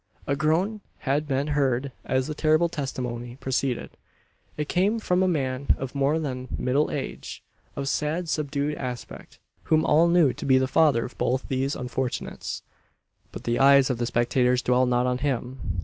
A groan had been heard as the terrible testimony proceeded. It came from a man of more than middle age of sad subdued aspect whom all knew to be the father of both these unfortunates. But the eyes of the spectators dwell not on him.